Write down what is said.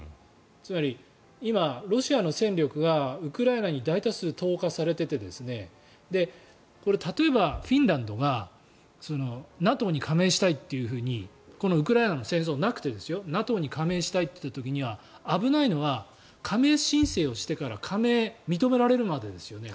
つまり、今、ロシアの戦力がウクライナに大多数投下されてて例えば、フィンランドがＮＡＴＯに加盟したいというふうにこのウクライナの戦争がなくてＮＡＴＯへ加盟したいと言ったら危ないのは、加盟申請をしてから加盟が認められるまでですよね。